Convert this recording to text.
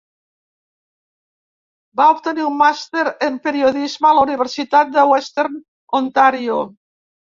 Va obtenir un màster en periodisme a la universitat de 'Western Ontario'.